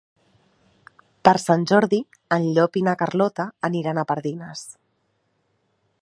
Per Sant Jordi en Llop i na Carlota aniran a Pardines.